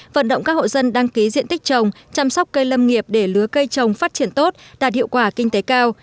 vận động các hộ dân đăng ký diện tích trồng chăm sóc cây lâm nghiệp để lứa cây trồng phát triển tốt đạt hiệu quả kinh tế cao